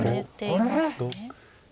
あれ？